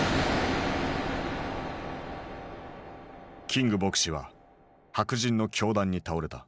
キング牧師は白人の凶弾に倒れた。